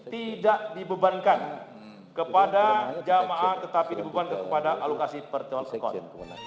tidak dibebankan kepada jamaah haji tetapi dibebankan kepada alokasi percokot